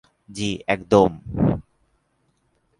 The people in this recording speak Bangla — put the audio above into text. জি, একদম।